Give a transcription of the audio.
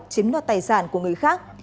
chiếm đoạt tài sản của người khác